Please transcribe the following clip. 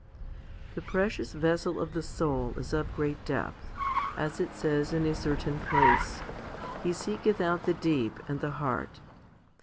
1 . THE precious vessel of the soul is of great depth, as it says in a certain place, He seeketh out the deep, and the heart.